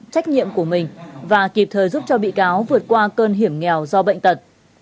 trách nhiệm của mình và kịp thời giúp cho bị cáo vượt qua cơn hiểm nghèo do bệnh tật